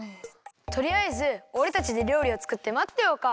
とりあえずおれたちでりょうりをつくってまってようか。